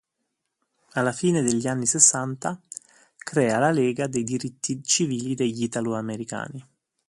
Alla fine degli anni sessanta crea la lega dei diritti civili degli italoamericani.